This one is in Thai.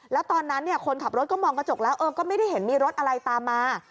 แล้วตอนนั้นคนขับรถก็มองกระจกแล้วก็ไม่ได้เห็นมีรถอะไรตามมา